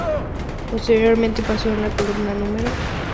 Posteriormente, pasó a la Columna No.